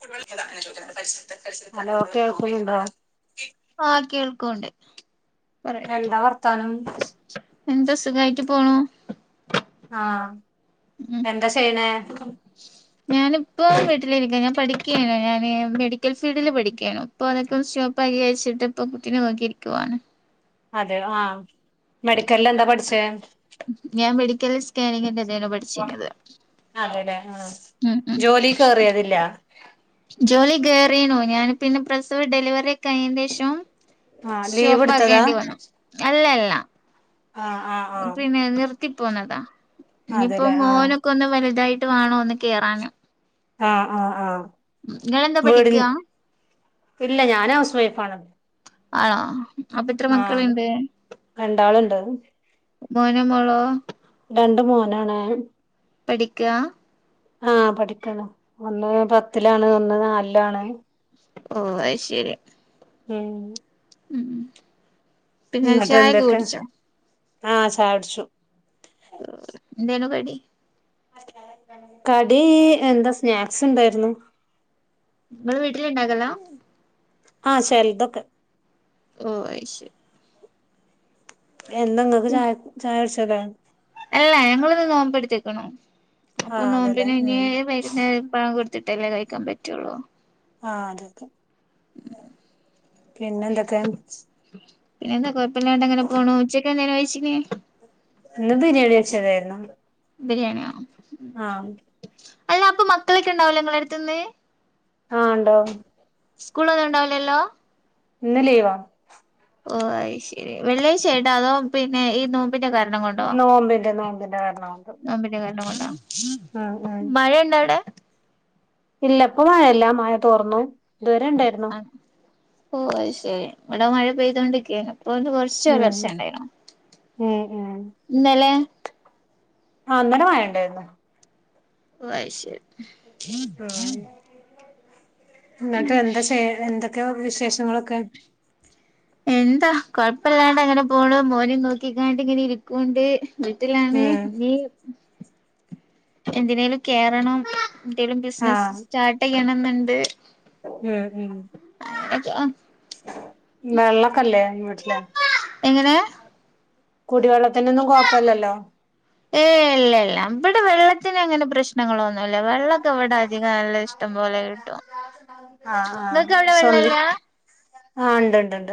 [unintelligible] Hello കേൾക്കുന്നുണ്ടോ ആ കേൾക്ക്ണ്ട് പറയാ എന്താ വർത്താനം എന്താ സുഖായിട്ട് പോണു ആ ഉ ഞാനിപ്പോ വീട്ടിലിരിക്ക ഞ പഠിക്കയാണ് ഞൻ മെഡിക്കൽ ഫീൽഡിൽ പഠിക്കയാണ് പ്പോഅതോക്കെ സ്റ്റോപ്പാക്കി വെച്ചിട്ട് പ്പോ കുട്ടിനെ നോക്കിയിരി ക്കുവാണ് അതെ ആഹ് മെഡിക്കൽ എന്താ പഠിച്ചേ ഞാൻ മെഡിക്കൽ സ്കാനിങ്ങിന്റെ പഠിചിനിയത് അതെല്ലേ ആഹ് ഉ ഉ ജോലി കേറിയതില്ല ജോലി കയറീനു ഞാൻ പിന്നെ പ്രസവം ഡെലിവറി കഴ്ഞ്ഞെന്റെഷം ആഹ് ലീവ് സ്റ്റോപ്പ് എടുത്തതാ ആക്കേണ്ടി വന്നു അല്ലല്ല ആഹ് ആഹ് ആഹ് പിന്നെ നിർത്തിപ്പോന്നതാ ഇനിയിപ്പോ അതെല്ലേ ആഹ് മോനൊക്കെ ഒന്ന് വലുതായിട്ട് ട്ട് വേണോന്ന് കേറാന് ആ ആ ആ ങ്ങളെന്താ പഠിക്ക ഇല്ല ഞാന് ഹൗസ് വൈഫാണ് ആണോ അപ്പൊത്ര ആഹ് അത് മക്കള്ണ്ട് രണ്ടാളുണ്ട് മോനോ മോളോ രണ്ട് മോനാണ് പഠിക്കാ ആ പഠിക്കണ് ഒന്ന് പത്തിലാണ് ഒന്ന് നാലിലാണ് ഓ അയ്ശരി ഉം ഉം പിന്നെ ചായൊക്കെ കുട്ച്ചോ ആ ചായോടിച്ചു ന്തേനു കടി കടി എന്താ സ്നാക്സ്ണ്ടാരുന്നു നിങ്ങള് വീട്ടില്ണ്ടാക്കെല്ലാ ആ ചെൽതൊക്കെ ഓ അയ്ശെരി എന്തെങ്ങൾക്ക് ചായ ചായ [unintelligible] അല്ല ഞങ്ങളൊന്ന് നോമ്പ് എടുത്തേക്കണോ അപ്പൊ ആഹ് അതെല്ലേ നോമ്പിനെ ഇനി ഉം വൈകുന്നേ പ കൊടു ത്ത്ട്ടല്ലേ കഴിക്കാം പറ്റോള്ളൂ ആഹ് അതെ അതെ പിന്നെ എന്തൊക്കെ പിന്നെയെന്നാ കൊഴപ്പലാണ്ട് അങ്ങനെ പോണു ഉച്ചക്കെന്തേനു കഴിശ്നെ ഇന്ന് ബിരിയാണി വെച്ചതാരുന്നു ബിരിയാണിയോ ആഹ് അല്ല അപ്പം മക്കളക്കെണ്ടാവൂല്ലേ ഇങ്ങളെട്ത്ത്ന്ന് ആഹ് ഇണ്ടാവും സ്കൂള് [unintelligible] ഇണ്ടാവുല്ലല്ലോ ഇന്ന് ലീവാ ഓഹ് അയ്ശരി വെള്ളിയാഴ്ച്ചായിടാ അതോ പിന്നെ ഈ നോ മ്പിന്റെ കാരണം കൊണ്ടോ നോമ്പിന്റെ നോമ്പിന്റെ കാരണം കൊണ്ട് നോമ്പിന്റെ കാരണം കൊണ്ടാ ഉം ഉം മഴെ ണ്ടാടെ ഇല്ല ഇപ്പൊ മഴല്ല മഴ തോർന്നു ഇതുവരെ ഇണ്ടാരുന്നു ഓഹ് അയ്ശരി ഇവടെ മഴ പെയ്തോണ്ടിരിക്കേനു ഇപ്പൊ ഒന്ന് കൊറ്ച്ച് ഉം ഒലറ്ച്ചണ്ടേനു ഉം ഉം ഇന്നലെ ആഹ് ഇന്നലെ മഴണ്ടേരുന്നു ഓഹ് അയ് ശരി ആഹ് നീ ഇന്ന്ട്ട് എന്താ ചെയ് എന്തൊക്കെയൊ വിശേഷങ്ങളൊക്കെ എന്താ കൊഴപ്പല്ലാണ്ടങ്ങനെ പോണൂ മോനിം നോക്കിക്കാണ്ട്ങ്ങനെ ഇരിക്കുണ്ട് വീട്ടിലാണ് ഉം ഇഞ്ഞ് എന്തിനേലും കേറണം എന്തേലും ബിസിനസ് സ് ആഹ് സ്റ്റാർട്ടെയ്യണന്ന്ണ്ട് ഉം ഉം. ടക്ക് ആഹ്. വെള്ളക്കല്ലേ വീട്ടില് എങ്ങനെ കുടിവെള്ളത്തിനൊന്നും കൊപ്പില്ലല്ലോ. ഏ ഇല്ല ഇല്ല ഇവിടെ വെള്ളത്തിനന് അങ്ങനെ പ്രശ്നങ്ങളൊന്നുല്ല വെള്ളൊക്കെ ഇവിടെ അധികം നല്ല ഇഷ്ടം പോലെ കിട്ടും. ആഹ് ആഹ് നിങ്ങക്ക് അവിടെ വെള്ളല്ല? സ്വന്തം ആഹ് ഉണ്ട്ണ്ട് ഉണ്ട്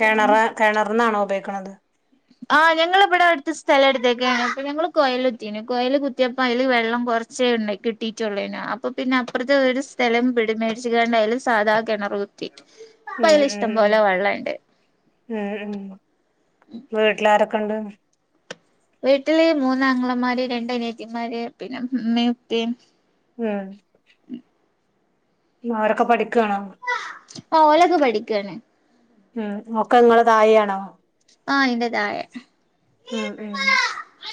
കിണർ കിണറിന്നാണോ ഉപയോഗിക്കണത്? ആഹ് ഞങ്ങൾ ഇവിടെ അടുത്ത് സ്ഥല എടുത്തേക്കാണ് ഇപ്പ ഞങ്ങള് കോയൽ കൂത്തിന് കോയൽ കൊത്തിയപ്പം അതില് വെള്ളം കുറ ചെ ഉണ്ടെ കിട്ടിയിറ്റുള്ളേന അപ്പം പിന്നെ അപ്പുറത്തെ ഒരു സ്ഥലം പിടി മേടിച്ച കണ്ടായാലും സാധാ കിണർ കു ട്ടിറ്റ് ഇപ്പൊ ഉം ആയിൽ ഇഷ്ടം പോലെ ഉം വെള്ള ഇണ്ട്. ഉം ഉം ഉം വീട്ടിലാരൊക്കെണ്ട്? വീട്ടില് മൂന്ന് ആങ്ങളമാർ രണ്ട് അനിയത്തിമാര് പിന്നെ ഉമ്മേം ഇപ്പേം. ഉം. അവരൊക്കെ പഠിക്കാണോ? ആ ഓലൊക്കെ പഠിക്കാണ്. ഉം ഒക്കെ നിങ്ങളെ തായിയാണോ? ആഹ് ഇന്റെ താഴെ ഉം ഉം.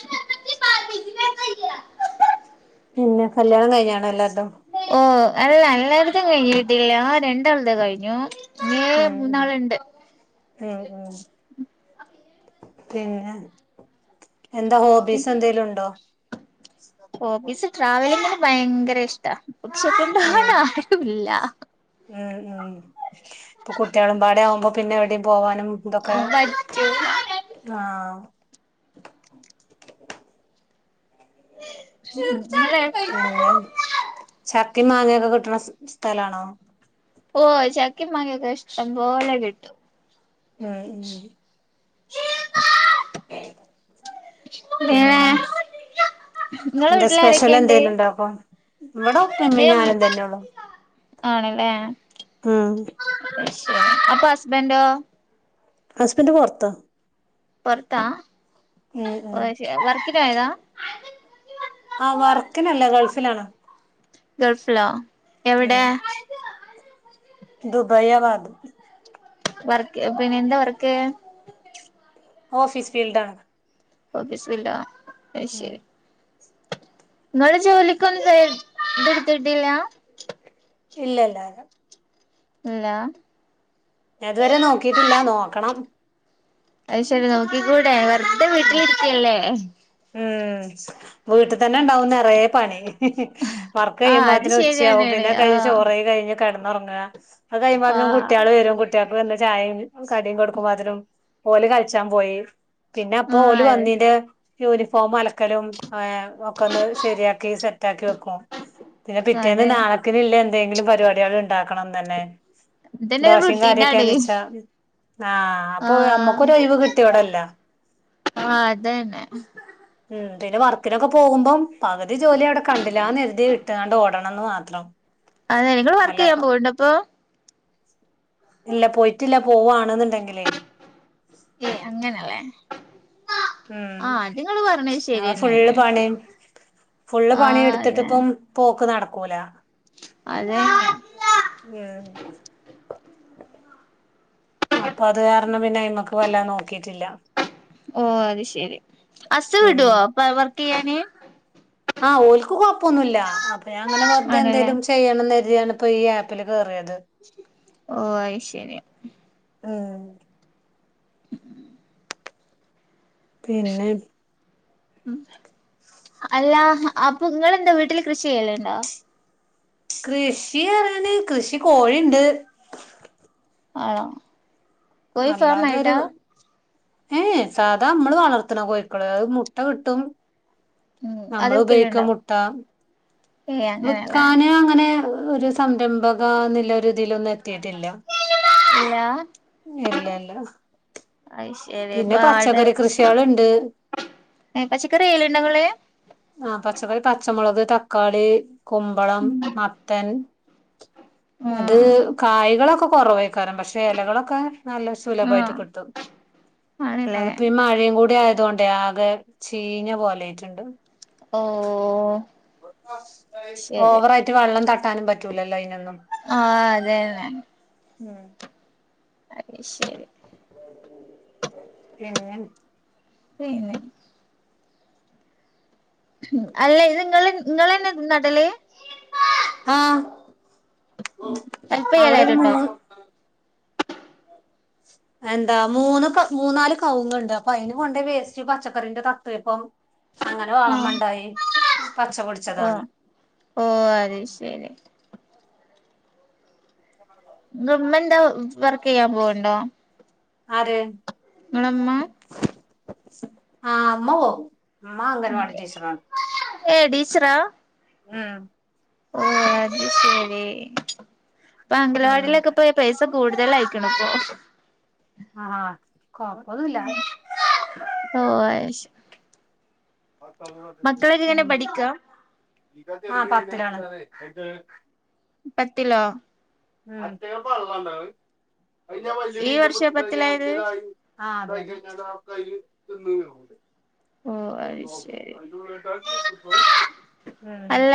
[unintelligible] പിന്നെ കല്യാണം കഴിഞ്ഞണോ എല്ലാരടും ഓ അല്ല എല്ലായിടത്തും കഴിഞ്ഞിട്ടില്ല രണ്ടാളത് കഴിഞ്ഞു ഇഞ് ഉം മൂന്നാളുണ്ട് ഉം ഉം ഉം പിന്നെ എന്താ ഹോബീസ് എന്തെലും ഉണ്ടോ ഹോബീസ് ട്രാവലിങ്ങന് ഭയങ്കര ഇഷ്ട്ട പക്ഷെക്കെണ്ടാവൻ ഉം ആരും ഇല്ല ഉം ഉം ഇപ്പൊ കുട്ടികളും പാടെ ആവുമ്പോ പിന്നെ എവിടെയും പോവാൻ എന്തൊക്കെ പറ്റൂല ആ [inaudible] പിന്നെ ചക്കി മാങ്ങൊക്കെ കിട്ടണ സ്ഥലാണോ ഓ ചക്കിമാകൊക്കെ ഇഷ്ടം പോലെ കിട്ടും ഉം ഉം പിന്നെ നിങ്ങളെ എന്ത സ്പെഷ്യൽ വീട്ടിലാരൊക്കെയുണ്ട് എന്തെലും ഇണ്ടാക്കോ ഇവിടെ ഇപ്പയും ഉമ്മയും ഞാനും തന്നെയ ഉള്ളു ആണല്ലേ അയ് ശരി അപ്പൊ ഹസ്ബൻറോ ഹസ്ബന്റ് പൊറത്ത പോർത്താ ഉം വർക്ന് പോയതാ ആ വർക്കിനല്ല ഗൾഫിലാണ് ഗൾഫിലോ എവിടെ ദുബൈയാ ബാത്ത് വർക്ക് പിന്നെ എന്താ വർക്ക് ഓഫിസ് ഫീൽഡ ആണ് ഓഫീസ് ഫീൽഡ് അയ് ശരി നിങ്ങള് ജോലിക്കൊന്നും ഇത്ടുത്തിട്ടില്ല ഇല്ല ഇല്ല ഇല്ല ഞാൻ ഇതുവരെ നോക്കിട്ടില്ല നോക്കണം അത് ശരി നോക്കി കൂടെ വെറുതെ ഉം വീട്ടിലിരിക്കല്ലേ ഉം വീട്ടിൽ തന്നെ ഉണ്ടാവും നിറയ പണി വർക്ക് ആഹ് അത് കഴുമ്ബോതിനന് ഉച്ചആവും ശരിയാണാണ് പിന്നെ കഴിച്ച് ആഹ് ചോറ് വെയ് കഴഞ്ഞ് കിടന്നുറങ്ങുക അത് കഴിയുമ്പോൾത്തിന് ആഹ് കുട്ടിആള് വരും കുട്ടിക വന്ന് ചായയും കടിയും കൊടുക്കുമ്പോ അതിനും ഓലെ കളിച്ചാൻ പോയി പിന്നെ അപ്പ ഓല ആഹ് അതെ വന്നീന്റെ യൂണിഫോം അല ഒക്കലും ഒക്കെ ഒന്ന് ശരിയാക്കി സെറ്റ ആക്കി വെക്കും പിന്നെ പിറ്റേന്ന് അതെ നാണക്കിനുള്ള എന്തെങ്കിലും പരിപാടികൾ ഉണ്ടാക്കണംന്ന് തന്നെ ഇതന്നെ ദോശയും കാറി റുട്ടീനാണ് ക്കൊന്ന്ച്ചാ ആ അപ്പൊ നമ്മക്ക് ഒരു ഒഴിവ് കിട്ടിയോടല്ല ആ അത തന്നെ ഉ പിന്നെ വർക്കിലൊക്കെ പോകുമ്പം പകുതി ജോലി അവിടെ കണ്ടില്ലാന്ന് എരുതി വിട്ടതാണ്ട് ഓടണംമന്ന് മാത്രം അതെ നിങ്ങള് വർക്ക് ചെയ്യാൻ അല്ലപ്പം പോവണ്ട ഇപ്പൊ ഇല്ല പോയിട്ടില്ല പോവവാണെന്നുണ്ടെങ്കിലേ ഏയ് അങ്ങനല്ലേ ഉം ആഹ് അത് നിങ്ങള് പറഞ്ഞത് ശരിയന്നെയാണ് ഫുള് പണി ഫുള്ള് പണി ആഹ് അതെ എടുത്തിട്ടിപ്പം പോക്ക് നടക്കൂല അതെ ഹേ അപ്പൊ അത് കാരണം പിന്നെ അയ് മക്ക് വല്ലാ നോക്കിട്ടില്ല ഓ അത് ശെരി അസു ഉം വിടുവോ അപ്പ വർക്ക് ചെയ്യാന് ആ ഓൽക്ക് കൊഴപ്പൊന്നുമല്ല അപ്പ ഞാൻ ഇങ്ങനെ വെറുതെ ആണല്ലേ എന്തെങ്കലും ചെയ്യണം കരുതി കരുതിയാണ് ഈ ആപ്പിൽ കയറിയത് ഓ അയ് ശരി ആ [unintelligible] പിന്നെ അല്ല അപ്പൊ ഇങ്ങളെന്താ വീട്ടില് കൃഷി ചെയ്യല്ണ്ടോ കൃഷി റിയാന് കൃഷി കോഴിുണ്ട് ആണോ കോയി ഫാാം അല്ലാതൊരു ആയിട്ടാ ഏ സാധാ നമ്മള് വളർത്തണ കോഴിക്കള് അത് മുട്ട കിട്ടും ഉം അത് നമ്മള് ഉപയോഗിക്ക വിക്കലുണ്ടോ മുട്ട ഏയ് അങ്ങനെയല്ലേ വ്ക്കാന് അങ്ങനെ ഒരു സംരംഭക ന്നിലൊരു തിലൊന്നും എത്തിട്ടില്ല ഇല്ല ഇല്ല ഇല്ല അത് ശരി പിന്നെ പച്ചക്കറി കൃഷിള്ണ്ട് എ പച്ചക്കറിയ്യ്ല്ണ്ടൊ ങ്ങള് ആ പച്ചക്കറി പച്ചമുളക് തക്കാളി കുമ്പളം മത്തൻ ഉം അത് കായ്കളൊക്കെ കൊറവയ്കാരംപക്ഷെ ഇലകളൊക്കെ നല്ല സുലഭായിട്ട് ആഹ് കിട്ടും ആണല്ലേ അതിപ്പോ ഈ മഴയും കൂടി തുകൊണ്ട് ആകെ ചീഞ്ഞ പോലെയിട്ടുണ്ട് ഓ ശരി ഓവറായിട്ട് വള്ളം തട്ടാനും പറ്റൂലല്ലോ അതിനൊന്നും ആഹ അതെന്നെ ഉം അതെ ശരി പിന്ന ന്നെ അല്ല ത് ങ്ങള് ഇങ്ങളന്നെ നടല് ആഹ ഹെൽപ് അവിടെരു ചെയ്യലായിട്ടുണ്ടോ മൂന്ന് എന്താ മൂന്ന് മൂന്നാല് കവുങ്ങുണ്ട് അപ്പൊ അയിന് കൊണ്ട് വേസ്റ്റ് പച്ചക്കറിന്റെ തത്ത്വ ഇപ്പം അങ്ങനെ ആഹ് വളമണ്ടായി ഓ പച്ചപൊടിച്ചതാണ് ഓ അതെ ശരി [unintelligible] വർക്കെയ്യാൻ പോവ്ണ്ടോ ആര് ങ്ങളമ്മ ആഹ് അമ്മപോവും അമ്മ അംഗനവാടി ടീച്ചറാണ് ഏ ടീച്ചറാ ആഹ ഓ അത് ശരി അപ്പൊ ഉം അംഗലവാടിയിലൊക്കെ പോ പൈസ കൂടുതലയിക്ണ്പ്പൊ ആഹഹാ കൊറവ് ന്നുല്ല ഓ അത് ശ മക്കളൊക്കെ എങ്ങനെ പിന്നെ പഠിക്കാ ആ പത്തിലാണ് പത്തിലോ ഈ വർഷാ [unintelligible] പത്തിലായത് ആ ഓ അത് ശരി [inaudible] അല്ല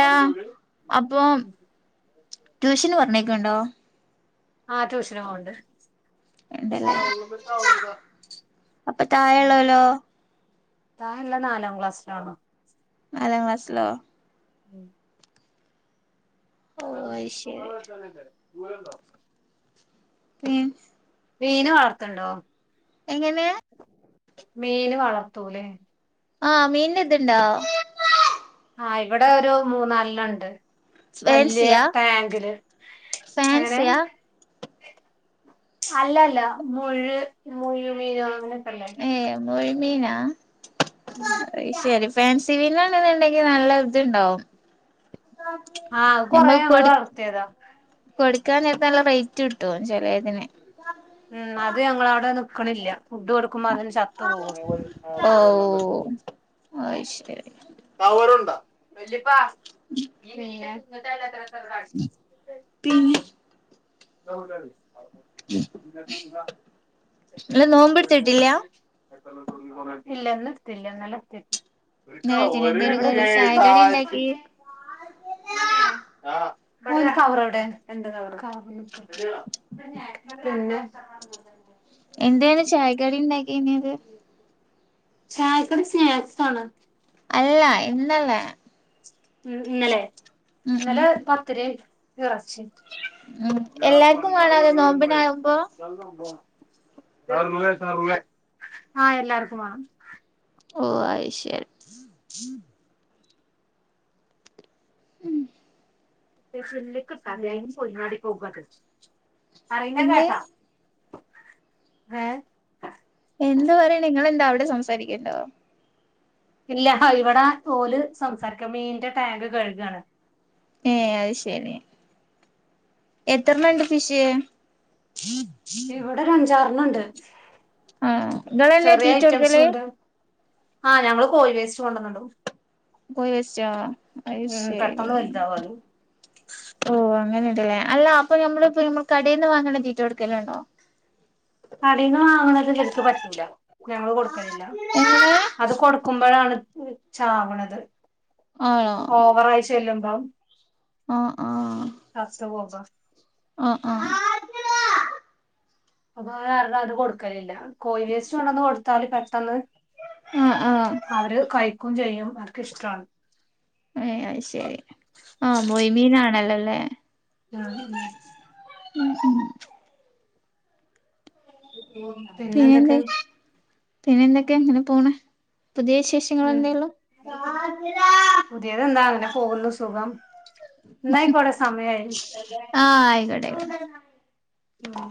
അപ്പൊ ട്യൂഷന് പറഞ്ഞേക്കണ്ടോ ആഹ ട്യൂഷന് പോവ്ണ്ട് ഇണ്ടല്ലേ അപ്പൊ താഴെള്ളോലോ [unintelligible] താ ല്ല നാലാം ക്ലാസ്സിലാണ് നാലാം ക്ലാസിലോ ഉം ഓ അത് ശരി [unintelligible] ഉം മീന് വാർത്തണ്ടോ എങ്ങനെയാ മീന് വളർത്തൂലേ ആഹ മീൻ ഇതുണ്ടോ ആ ഇവിടെ ഒരു മൂന്നാൽനണ്ട് വലിയ ഫാൻസിയാ ടാങ്കില് അങ്ങനെ ഫാൻസിയാ അല്ലല്ല മുഴു മുഴു മീനു അങ്ങനെ ഏ മുഴുമീനാ അയ്ശരി ഫ് ഫാൻസി മനാണ് ന്ന്ണ്ടെങ്കി നല്ല ഇത്ണ്ടാവും ആഹ് അത് കൊറേ ഞമ്മൾ ഞങ്ങള് കൊട് വളർത്തിയതാ കൊടുക്കാൻ നേരത്ത് നല്ല റേറ്റ് കിട്ടോ ഉം അത് ഞങ്ങളവിടെ നിക്കണില്ല ഫുഡ് കൊടു ക്കും അതിന് ശത്ത് പോകും അയ്ശരി [inaudible] പിന്നെ [inaudible] ഇങ്ങള് നോമ്പെടുത്തിട്ടില്ല ഇല്ല ഇന്ന്ട്ത്തില്ല ഇന്നലെ ഇട്ത്തിര്ന്നു [inaudible] ഇന്നലെത്തിന് എന്തേനു കടി ചായക്കടി ഇണ്ടാക്കി എന്തു കവർ പിന്നെ എന്തേയ്‌ന്ന് ചായക്കടി ണ്ടാക്കിന്നത് ചായക്കടി സ്നാക്സ് ആണ് ഇല്ല ഇന്നല്ല ഉം ഇന്നലെ ഉം ഉം ഇന്നലെ പത്തിരി റെ ഉം എല്ലാർക്കും വേണോ അത് നോമ്പിനാവുമ്പോ [inaudible] ആ എല്ലാർക്കും മാണം ഓ അയിശരി ഉം [unintelligible] പോയിങ്ങാടി [unintelligible] പോകത് പറയുന്ന എന്തേ കേക്കാ ഏ എന്ത് പറയ്ണ് നിങ്ങെന്താ അവിടെ സംസാരിക്ക്ണ്ടോ ഇല്ല ഇവടെ ഓല് സംസാരിക്കാ മീന്റെ ടാങ്ക് കഴുകാണ് ഏ അയ്ശരി എത്രണ്ണംണ്ട് ഫിഷ് ണ്ട് ആ ഇങ്ങളല്ലേ ചെറിയ തീറ്റ ഐറ്റംസും കൊടുക്കല് ഉണ്ട് ആഹ് ഞങ്ങള് കോഴിവേസ്റ്റ് കൊണ്ടന്ന്ടും കോഴി വേസ്റ്റാ ഉം പെട്ടെന്ന് അയ്ശരി വലുതാവും അത് ഓ അങ്ങനെ ട്ട്ല്ലേ അല്ല അപ്പൊ നമ്മള് പ്പ നമ്മള് കടീന്ന് വാങ്ങ്ണ തീറ്റ കൊടുക്കലുണ്ടോ കടീന്ന് വാ ആ [unintelligible] ഞങ്ങള് കൊടുക്കലില്ല എങ്ങനെ അത് കൊടുക്കുമ്പഴാണ് ചാവണത് ആണോ ഓവാറായി ചെല്ലുമ്പം ആ ആ ചത്ത് പോക അപ്പൊ ആ ആ അപ്പൊ അതുകാരണം അത് കൊടുക്കലില്ല കോഴ വേസ്റ്റ് കൊണ്ടന്ന് കൊടുത്താല് പെട്ടെന്ന് ആ ആ അവര് കഴിക്കും ചെയ്യും അവർക്ക് ഇഷ്ടാണ് ഏ അയ്ശെരി ആ മൊയ്മീനാണല്ലേള്ളത് ആ അതന്നെ ഉം ഉം പിന്നെ എന്തൊക്കെ പിന്നെന്തേ പിന്നെ എന്തൊക്കെയാ ങ്ങനെ പോണ് പുതിയ വിശേഷങ്ങൾ ഉം എന്തേള്ളു പുതിയത് എന്താ അങ്ങനെ പോകുന്നു സുഖം എന്നായിക്കോടെ സമയായി ആ ആയിക്കോട്ടെ അയ്ക്കോട്ടേ മ്